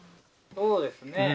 そうですね。